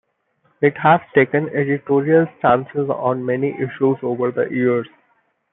It has taken editorial stances on many issues over the years.